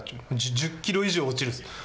１０キロ以上落ちるんですよ。